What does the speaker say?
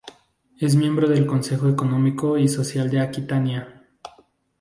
Es miembro del Consejo Económico y Social de Aquitania.